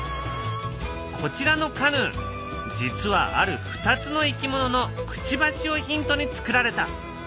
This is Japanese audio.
こちらのカヌー実はある２つのいきもののくちばしをヒントにつくられた。